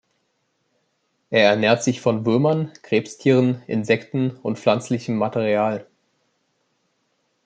Er ernährt sich von Würmern, Krebstieren, Insekten und pflanzlichem Material.